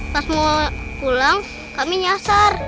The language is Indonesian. pas mau pulang kami nyasar